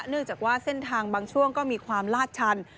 เนื่องจากว่าเส้นทางบางช่วงก็มีความลาดชัน